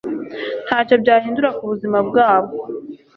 Ntacyo byahindura ku buzima bwabo